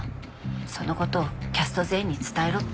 「その事をキャスト全員に伝えろ」って。